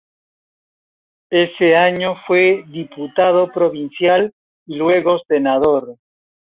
Ese año fue diputado provincial y luego senador.